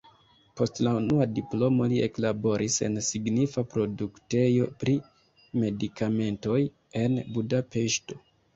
Post la unua diplomo li eklaboris en signifa produktejo pri medikamentoj en Budapeŝto.